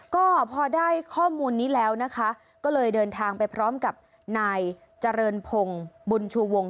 ก็พอได้ข้อมูลนี้แล้วนะคะก็เลยเดินทางไปพร้อมกับนายเจริญพงศ์บุญชูวง